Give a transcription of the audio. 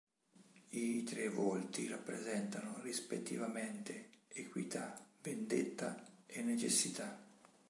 I tre volti rappresentano rispettivamente: Equità, Vendetta e Necessità.